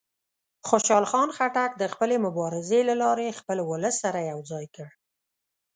خوشحال خان خټک د خپلې مبارزې له لارې خپل ولس سره یو ځای کړ.